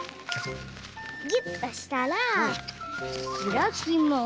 ぎゅっとしたらひらきます。